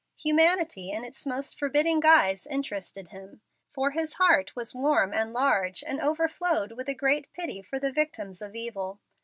Humanity in its most forbidding guise interested him, for his heart was warm and large and overflowed with a great pity for the victims of evil.